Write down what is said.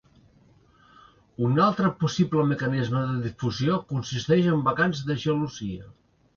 Un altre possible mecanisme de difusió consisteix en vacants de gelosia.